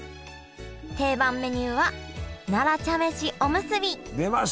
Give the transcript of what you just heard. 定番メニューは奈良茶飯おむすび出ましたね！